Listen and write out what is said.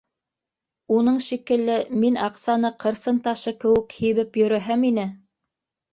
Уның шикелле мин аҡсаны ҡырсын ташы кеүек һибеп йөрөһәм ине...